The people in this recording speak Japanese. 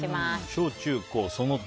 小中高、その他。